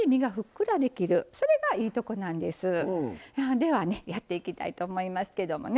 ではねやっていきたいと思いますけどもね